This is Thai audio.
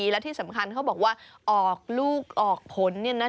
และที่สำคัญเขาบอกว่าออกลูกออกผล